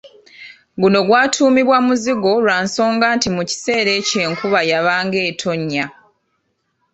Guno gwatuumibwa Muzigo lwa nsonga nti mu kiseera ekyo enkuba yabanga etonnya.